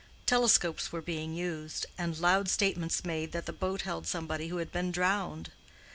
Telescopes were being used, and loud statements made that the boat held somebody who had been drowned.